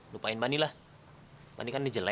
lupain bani lah bani kan jelek